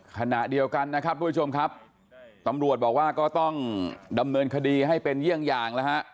ขณะเดียวกันนะครับทุกผู้ชมครับตำรวจบอกว่าก็ต้องดำเนินคดีให้เป็นเยี่ยงอย่างแล้วฮะ